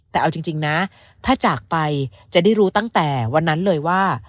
แต่เอาจริงนะถ้าจากไปจะได้รู้ตั้งแต่วันนั้นเลยว่า